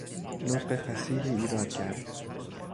نطق فصیحی ایراد کرد